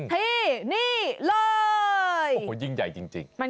ที่นี่เลยโอ้โหยิ่งใหญ่จริง